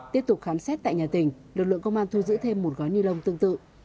tiếp tục khám xét tại nhà tỉnh lực lượng công an thu giữ thêm một gói ni lông tương tự